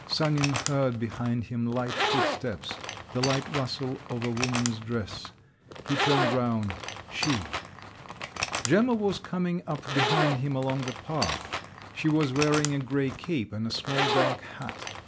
Sanin heard behind him light footsteps, the light rustle of a woman's dress…. He turned round: she! Gemma was coming up behind him along the path. She was wearing a grey cape and a small dark hat.